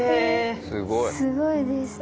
すごいです。